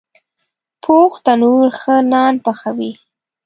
پوخ تنور ښه نان پخوي